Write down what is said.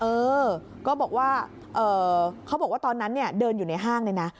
เออก็บอกว่าเขาบอกว่าตอนนั้นเนี่ยเดินอยู่ในห้างเลยนะ